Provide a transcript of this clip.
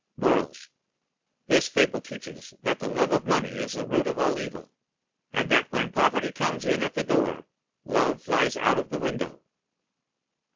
MORALS: This Fable teaches that the Love of Money is the Root of All Evil, and that When Poverty Comes In At the Door, Loves Flies Out Of the Window.